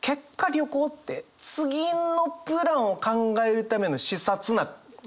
旅行って次のプランを考えるための視察なんですよ。